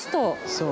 そう。